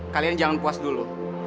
kalian jangan puas dulu